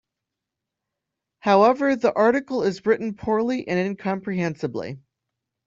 However, the article is written poorly and incomprehensibly.